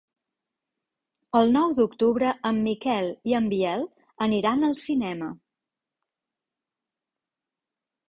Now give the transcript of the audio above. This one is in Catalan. El nou d'octubre en Miquel i en Biel aniran al cinema.